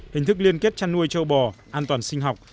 hình thức liên kết chăn nuôi châu bò an toàn sinh học